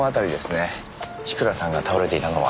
千倉さんが倒れていたのは。